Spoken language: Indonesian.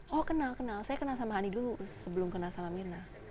oh kenal kenal saya kenal sama hani dulu sebelum kenal sama mirna